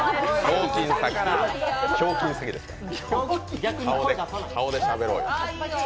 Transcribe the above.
ひょうきん咲希ですから。